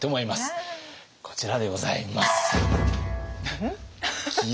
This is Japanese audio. こちらでございます。